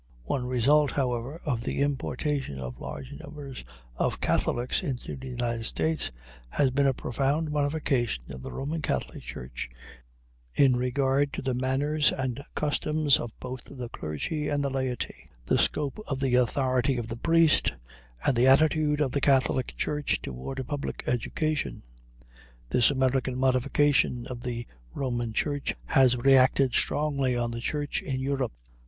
One result, however, of the importation of large numbers of Catholics into the United States has been a profound modification of the Roman Catholic Church in regard to the manners and customs of both the clergy and the laity, the scope of the authority of the priest, and the attitude of the Catholic Church toward public education. This American modification of the Roman Church has reacted strongly on the Church in Europe.